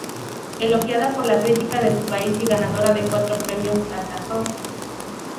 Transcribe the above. Elogiada por la crítica de su país y ganadora de cuatro premios Altazor.